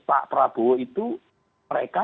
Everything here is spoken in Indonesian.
pak prabowo itu mereka